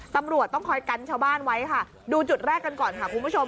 ตำรวจต้องคอยกันชาวบ้านไว้ค่ะดูจุดแรกกันก่อนค่ะคุณผู้ชม